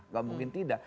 gak mungkin tidak